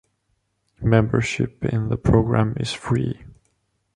Membership in the program is free.